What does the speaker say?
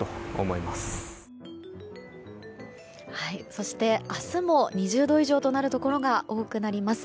そして、明日も２０度以上となるところが多くなります。